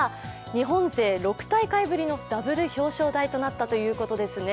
日本勢６大会ぶりのダブル表彰台となったということですね。